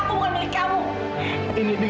tolong buka pintu indi